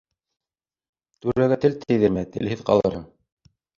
Түрәгә тел тейҙермә, телһеҙ ҡалырһың.